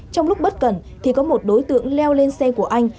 trong lúc bất cẩn thì có một đối tượng leo lên xe của anh